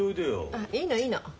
あっいいのいいの。